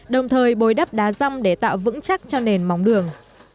đồng thời bồi đắp đá rong để tạo vững chắc cho nền móng đường